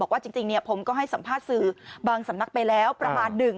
ว่าจริงผมก็ให้สัมภาษณ์สื่อบางสำนักไปแล้วประมาณหนึ่ง